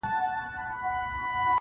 چي فرنګ ته یادوي د امان توره -